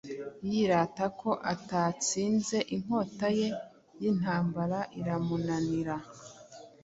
Yirata ko atatsinzeinkota ye yintambara iramunanira